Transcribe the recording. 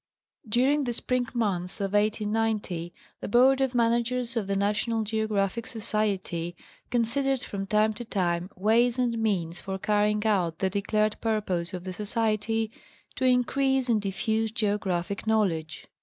During the spring months of 1890, the Board of Managers of the National Geographic Society considered from time to time ways and means for carrying out the declared purpose of the Society "to increase and diffuse geographic knowledge."